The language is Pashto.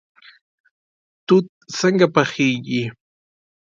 توت څنګه پخیږي؟